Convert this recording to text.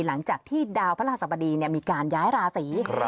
หลังจากที่ดาวพระราชสบดีมีการย้ายราศี